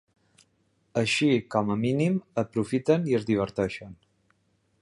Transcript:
Així, com a mínim, aprofiten i es diverteixen.